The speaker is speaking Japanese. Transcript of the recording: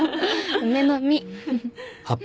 梅の実。